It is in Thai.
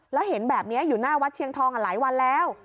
แล้วเห็นแบบนี้อยู่หน้าวัดเชียงทองหลายวันแล้ว